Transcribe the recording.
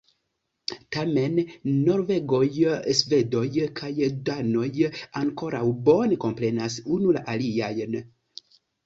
Tamen, norvegoj, svedoj kaj danoj ankoraŭ bone komprenas unu la aliajn.